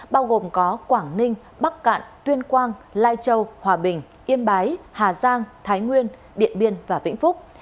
bao gồm có quảng ninh bắc cạn tuyên quang lai châu hòa bình yên bái hà giang thái nguyên điện biên và vĩnh phúc